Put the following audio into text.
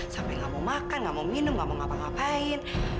sampai gak mau makan gak mau minum gak mau ngapa ngapain